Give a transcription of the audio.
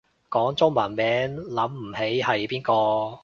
講中文名諗唔起係邊個